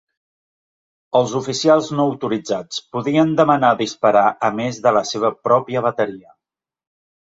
Els oficials no autoritzats podien demanar disparar a més de la seva pròpia bateria.